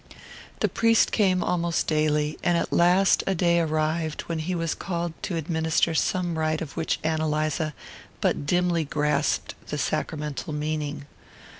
The priest came almost daily; and at last a day arrived when he was called to administer some rite of which Ann Eliza but dimly grasped the sacramental meaning.